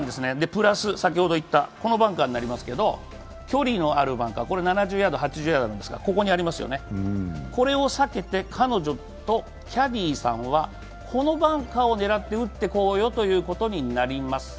プラス、このバンカーになりますけど、距離のあるバンカー、７０ヤード、８０ヤードありますが、これを避けて彼女とキャディーさんは、このバンカーを狙って打っていこうよということになります。